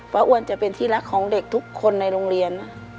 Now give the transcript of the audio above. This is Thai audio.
อ้วนจะเป็นที่รักของเด็กทุกคนในโรงเรียน